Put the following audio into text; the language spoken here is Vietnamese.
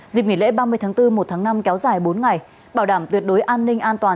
dịp nghỉ lễ ba mươi tháng bốn một tháng năm kéo dài bốn ngày bảo đảm tuyệt đối an ninh an toàn